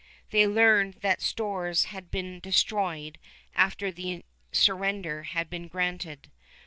They learned that stores had been destroyed after the surrender had been granted.